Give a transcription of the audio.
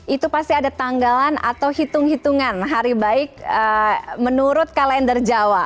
itu pasti ada tanggalan atau hitung hitungan hari baik menurut kalender jawa